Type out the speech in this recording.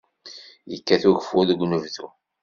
Yekkat ugeffur deg unebdu.